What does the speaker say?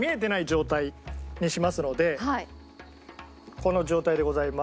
この状態でございます。